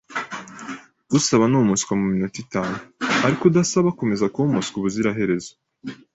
Usaba ni umuswa muminota itanu, ariko udasabye akomeza kuba umuswa ubuziraherezo